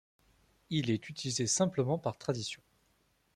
Il est utilisé simplement par tradition.